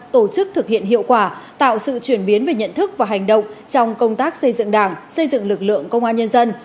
tổ chức thực hiện hiệu quả tạo sự chuyển biến về nhận thức và hành động trong công tác xây dựng đảng xây dựng lực lượng công an nhân dân